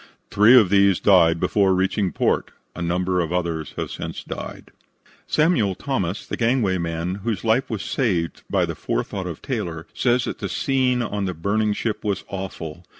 Three of these died before reaching port. A number of others have since died." Samuel Thomas, the gangway man, whose life was saved by the forethought of Taylor, says that the scene on the burning ship was awful.